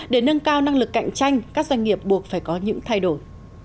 để nâng cao năng lực cạnh tranh các doanh nghiệp buộc phải có những thay đổi